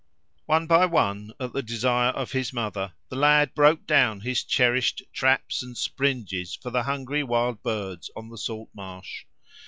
One by one, at the desire of his mother, the lad broke down his cherished traps and springes for the hungry wild birds on the salt marsh.